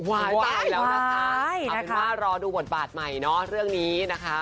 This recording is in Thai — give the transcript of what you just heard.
ตายแล้วนะคะเอาเป็นว่ารอดูบทบาทใหม่เนาะเรื่องนี้นะคะ